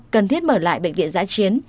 cần thiết mở lại bệnh viện giã chiến